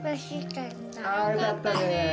よかったね。